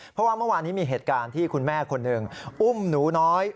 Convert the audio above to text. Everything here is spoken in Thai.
เพราะว่าเมื่อวานนี้มีเหตุการณ์ที่คุณแม่คนหนึ่งอุ้มหนูน้อย